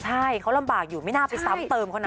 ใช่เขาลำบากอยู่ไม่น่าไปซ้ำเติมเขานะ